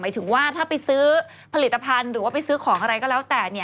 ถึงว่าถ้าไปซื้อผลิตภัณฑ์หรือว่าไปซื้อของอะไรก็แล้วแต่